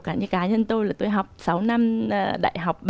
cả như cá nhân tôi là tôi học sáu năm đại học